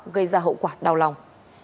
gây ra hậu quả đau lòng